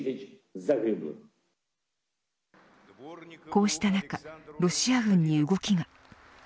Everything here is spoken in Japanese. こうした中ロシア軍に動きが。